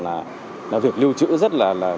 là việc lưu chữ rất là